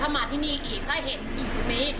ถ้ามาที่นี่อีกก็เห็นอย่างสุดนี้